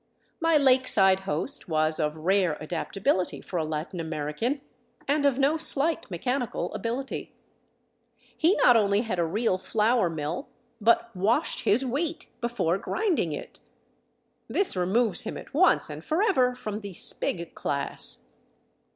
My lake side host was of rare adaptability for a Latin American, and of no slight mechanical ability. He not only had a real flour mill, but washed his wheat before grinding it ! This removes him at once and forever from the " Spig " class.